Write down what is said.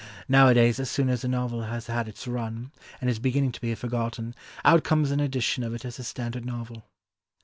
Now a days as soon as a novel has had its run, and is beginning to be forgotten, out comes an edition of it as a standard novel."